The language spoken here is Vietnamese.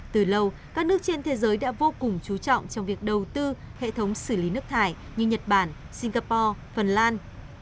từ lâu các nước trên thế giới đã vô cùng chú trọng trong việc đầu tư hệ thống xử lý nước thải như nhật bản singapore phần lan